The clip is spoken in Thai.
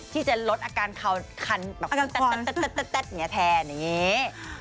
ที่จะลดอาการคันแทนอย่างเงี้ย